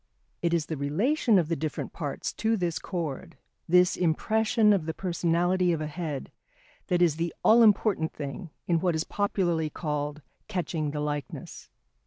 It is the relation of the different parts to this chord, this impression of the personality of a head, that is the all important thing in what is popularly called "catching the likeness."